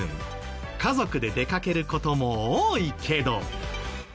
家族で出かける事も多いけど。